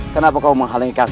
kenapa kau menghalangi kami